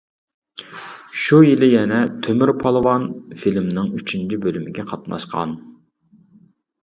شۇ يىلى يەنە «تۆمۈر پالۋان» فىلىمىنىڭ ئۈچىنچى بۆلۈمىگە قاتناشقان.